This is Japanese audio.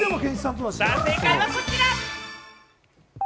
正解はこちら。